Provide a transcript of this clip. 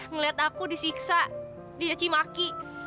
ngeliat aku disiksa dijacimaki